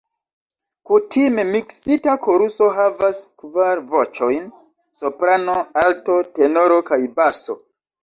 Kutime miksita koruso havas kvar voĉojn: Soprano, Alto, Tenoro kaj Baso.